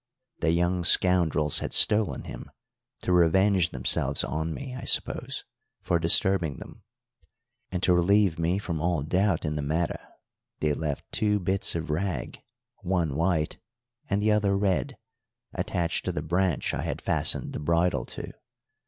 The young scoundrels had stolen him, to revenge themselves on me, I suppose, for disturbing them; and to relieve me from all doubt in the matter they left two bits of rag, one white and the other red, attached to the branch I had fastened the bridle to.